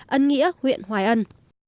ân nghĩa huyện hoài ân